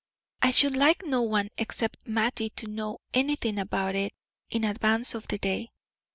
I should like no one except Mattie to know anything about it in advance of the day.